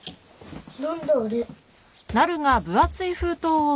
何だあれ。